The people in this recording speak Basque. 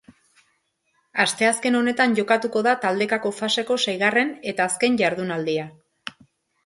Asteazken honetan jokatuko da taldekako faseko seigarren eta azken jardunaldia.